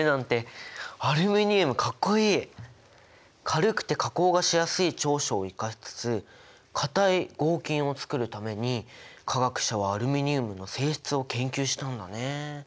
軽くて加工がしやすい長所を生かしつつ硬い合金をつくるために化学者はアルミニウムの性質を研究したんだね。